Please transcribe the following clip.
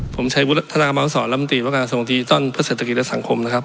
ผมชัยบุทธนกรรมศาลรับมูธรีวะการส่งอนาทีต้อน